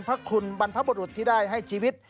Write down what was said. พระคุณบรรพบุรุษที่ได้ให้ชีวิต